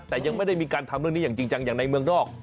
แต่ยังไม่ได้มีการทำเรื่องนี้อย่างจริงจังอย่างในเมืองนอก